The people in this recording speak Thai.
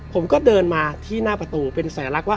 ผมก็เดินมาที่หน้าประตูเป็นสัญลักษณ์ว่า